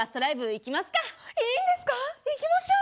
行きましょう！